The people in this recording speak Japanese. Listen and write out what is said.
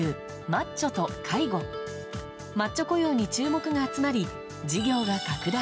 マッチョ雇用に注目が集まり事業が拡大。